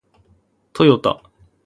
トヨタ